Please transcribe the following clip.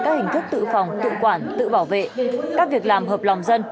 các hình thức tự phòng tự quản tự bảo vệ các việc làm hợp lòng dân